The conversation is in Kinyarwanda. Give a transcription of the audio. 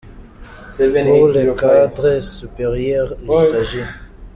Pour les cadres supérieurs, il s’agit:.